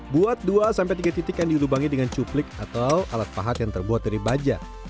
buat dua sampai tiga titik yang dilubangi dengan cuplik atau alat pahat yang terbuat dari baja